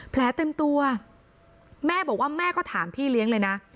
แผลเต็มตัวแม่บอกว่าแม่ก็ถามพี่เลี้ยงเลยนะ